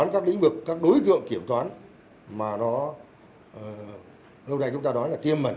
các đối tượng kiểm toán mà nó lâu nay chúng ta nói là tiêm mẩn